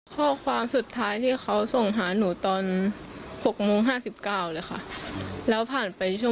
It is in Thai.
ขออนุญาตว่าเราได้คุยกันได้แล้วคุยกันกันแล้ว